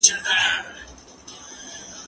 زه کولای سم سينه سپين وکړم؟